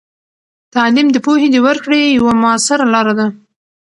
تعلیم د پوهې د ورکړې یوه مؤثره لاره ده.